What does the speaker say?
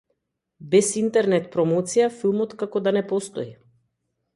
Без интернет промоција филмот како да не постои.